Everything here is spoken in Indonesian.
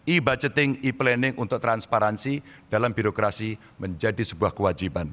e budgeting e planning untuk transparansi dalam birokrasi menjadi sebuah kewajiban